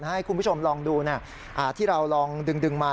ให้คุณผู้ชมลองดูที่เราลองดึงมา